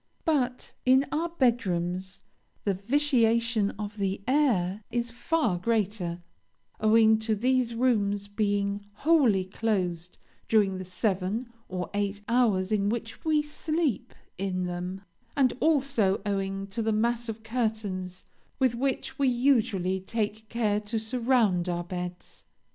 but in our bed rooms the vitiation of the air is far greater, owing to these rooms being wholly closed during the seven or eight hours in which we sleep in them, and, also, owing to the mass of curtains with which we usually take care to surround our beds.